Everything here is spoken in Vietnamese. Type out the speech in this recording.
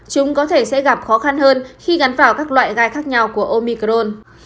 chúng có thể sẽ gặp khó khăn hơn khi gắn vào các loại gai khác nhau của omicrone